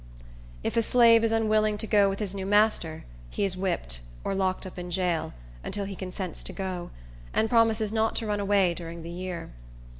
If a slave is unwilling to go with his new master, he is whipped, or locked up in jail, until he consents to go, and promises not to run away during the year.